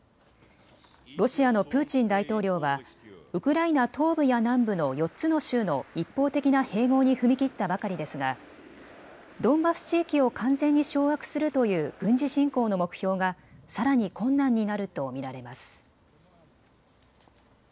ロシアのプーチン大統領はウクライナ東部や南部の４つの州の一方的な併合に踏み切ったばかりですがドンバス地域を完全に掌握するという軍事侵攻の目標がさらに困難になると見られます。